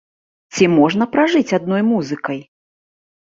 Ці можна пражыць адной музыкай?